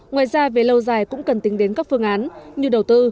ngoài ra về lâu dài cũng cần tính đến các phương án như đầu tư